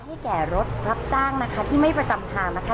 ให้แกรถรับจ้างที่ไม่ประจำทาง